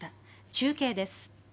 中継です。